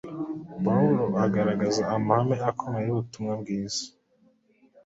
Pawulo agaragaza amahame akomeye y’ubutumwa bwiza.